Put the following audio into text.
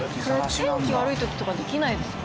天気悪い時とかできないですよね。